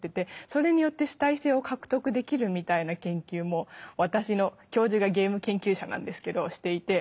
それによって主体性を獲得できるみたいな研究も私の教授がゲーム研究者なんですけどしていて。